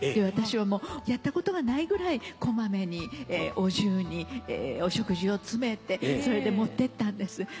私はやったことがないぐらい小まめにお重にお食事を詰めてそれで持ってったんです。